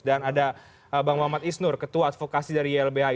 dan ada bang muhammad isnur ketua advokasi dari ylbi